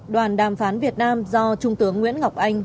đoàn đàm phán việt nam do trung tướng nguyễn ngọc anh